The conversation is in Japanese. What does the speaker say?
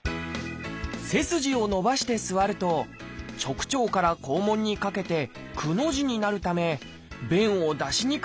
背筋を伸ばして座ると直腸から肛門にかけて「く」の字になるため便を出しにくくなるのです。